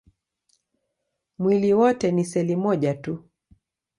Mwili wote ni seli moja tu.